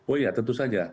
oh ya tentu saja